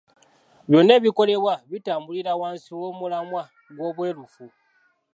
Byonna ebikolebwa bitambulira wansi w’omulamwa gw’obweruufu.